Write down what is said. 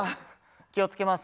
気をつけます。